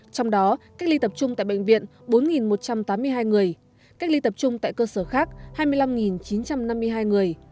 trong đó cách ly tập trung tại bệnh viện bốn một trăm tám mươi hai người cách ly tập trung tại cơ sở khác hai mươi năm chín trăm năm mươi hai người